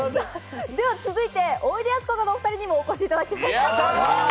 続いて、おいでやすこがのお二人にもお越しいただきました。